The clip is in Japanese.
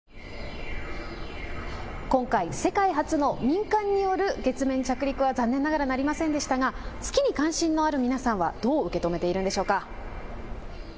今回、世界初の民間による月面着陸は残念ながらなりませんでしたが月に関心のある皆さんはどう受け止めているんでしょうか。